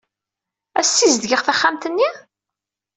Ad ssizedgeɣ taxxamt-nni?